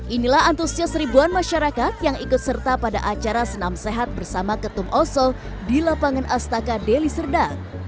inilah antusias ribuan masyarakat yang ikut serta pada acara senam sehat bersama ketum oso di lapangan astaka deli serdang